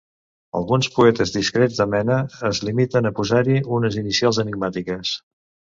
Alguns poetes, discrets de mena, es limiten a posar-hi unes inicials enigmàtiques.